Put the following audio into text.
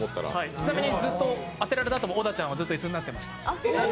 ちなみにずっと当てられたあともオダチャンは椅子になっていました。